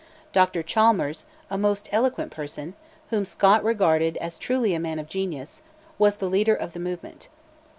Dr Chalmers, a most eloquent person, whom Scott regarded as truly a man of genius, was the leader of the movement.